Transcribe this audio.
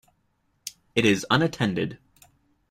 It is unattended.